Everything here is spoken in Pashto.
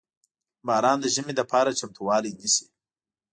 • باران د ژمي لپاره چمتووالی نیسي.